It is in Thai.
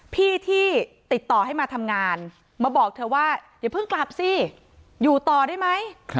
พี่ที่ติดต่อให้มาทำงานมาบอกเธอว่าอย่าเพิ่งกลับสิอยู่ต่อได้ไหม